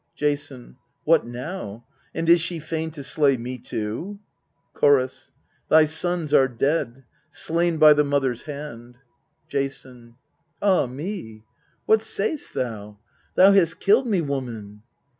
Jason. What now ? and is she fain to slay me too ? Chorus. Thy sons are dead, slain by the mother's hand. Jason. Ah me ! what sayst thou ? thou hast killed me, woman